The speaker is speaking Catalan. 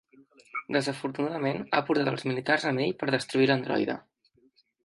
Desafortunadament, ha portat els militars amb ell per destruir l'androide.